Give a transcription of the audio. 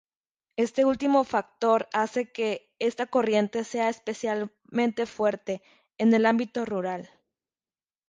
Este último factor hace que esta corriente sea especialmente fuerte en el ámbito rural.